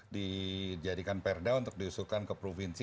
dijadikan perda untuk diusulkan ke provinsi